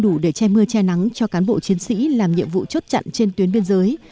đủ để che mưa che nắng cho cán bộ chiến sĩ làm nhiệm vụ chốt chặn trên tuyến biên giới